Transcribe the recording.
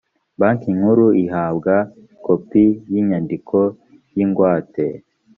banki nkuru ihabwa kopi y ‘inyandiko yingwate.